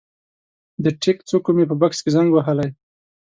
د ټیک څوکو مې په بکس کې زنګ وهلی